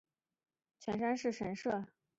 大县神社是位在日本爱知县犬山市的神社。